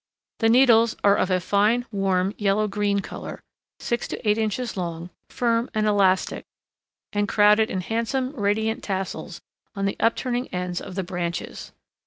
The needles are of a fine, warm, yellow green color, six to eight inches long, firm and elastic, and crowded in handsome, radiant tassels on the upturning ends of the branches.